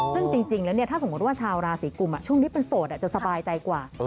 ซึ่งจริงแล้วถ้าสมมุติว่าชาวราศีกุมช่วงนี้เป็นโสดจะสบายใจกว่า